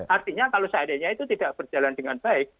artinya kalau seandainya itu tidak berjalan dengan baik